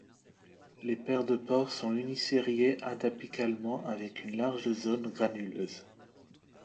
Les paires de pores sont unisériées adapicalement, avec une large zone granuleuse.